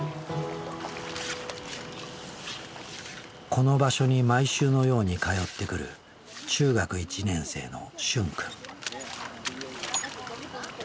この場所に毎週のように通ってくる中学１年生のしゅん君。